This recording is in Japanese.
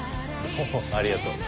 おおありがとう。